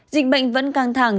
dịch bệnh vẫn căng thẳng